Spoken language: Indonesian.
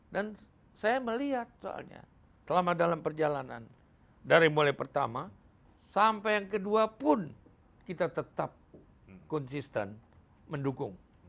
dan saya melihat soalnya selama dalam perjalanan dari mulai pertama sampai yang kedua pun kita tetap konsisten mendukung